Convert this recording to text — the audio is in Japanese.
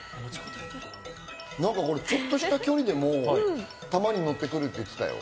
ちょっとした距離でもたまに乗ってくるって言ってたよ。